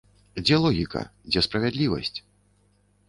Дзе логіка, дзе справядлівасць?